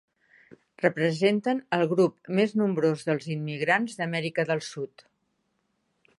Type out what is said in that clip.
Representen el grup més nombrós dels immigrants d'Amèrica del Sud.